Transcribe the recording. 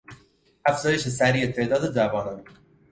افزایش سریع تعداد جوانان